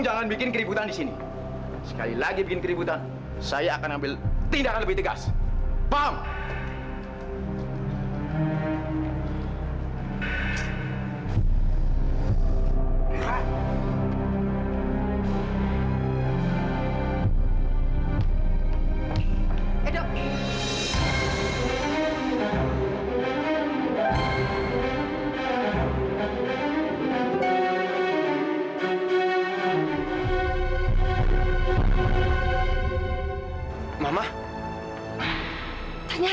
aku akan selalu mendoakan kebahagiaan